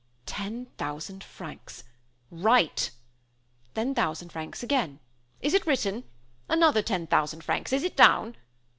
"Ten thousand francs. Write. Then thousand francs again. Is it written? Another ten thousand francs: is it down?